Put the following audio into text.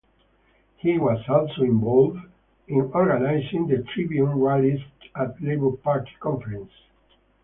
He was also involved in organising the Tribune rallies at Labour party conferences.